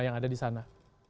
yang ada di sana